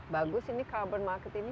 bagus ini carbon market ini